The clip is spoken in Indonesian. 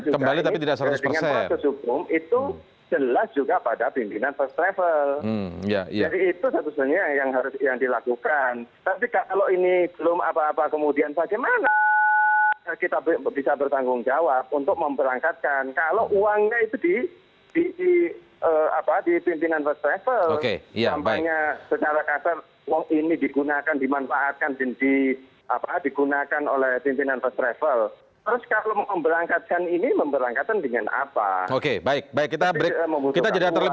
harus sudah diselesaikan dulu